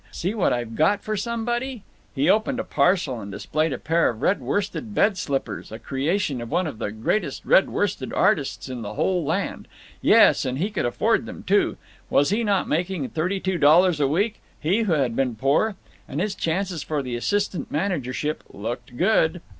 See what I've got for somebody!" He opened a parcel and displayed a pair of red worsted bed slippers, a creation of one of the greatest red worsted artists in the whole land. Yes, and he could afford them, too. Was he not making thirty two dollars a week—he who had been poor! And his chances for the assistant managership "looked good."